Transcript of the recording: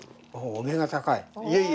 おお目が高い。